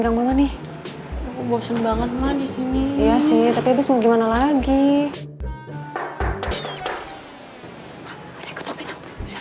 kamu hapus dulu